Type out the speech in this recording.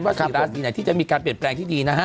๔ราศีไหนที่จะมีการเปลี่ยนแปลงที่ดีนะฮะ